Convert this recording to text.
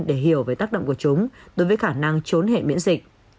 để hiểu về tác động của chúng đối với khả năng trốn hệ miễn dịch